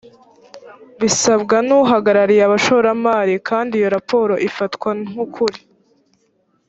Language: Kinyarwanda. bisabwa n’uhagarariye abashoramari kandi iyo raporo ifatwa nk’ukuri